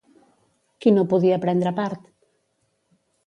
Qui no podia prendre part?